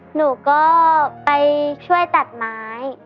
หนูก็ไปช่วยตัดไม้